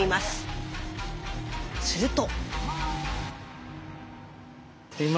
すると。